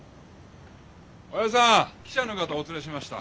おやじさん記者の方お連れしました。